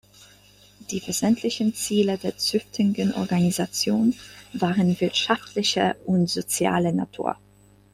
Die wesentlichen Ziele der zünftigen Organisation waren wirtschaftlicher und sozialer Natur.